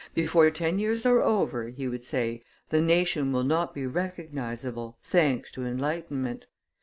"Before ten years are over," he would say, "the nation will not be recognizable, thanks to enlightenment.